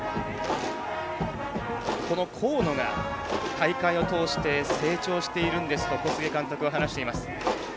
河野が大会を通して成長しているんですと小菅監督は話しています。